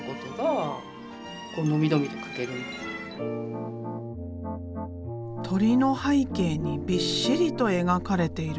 鳥の背景にびっしりと描かれているのは？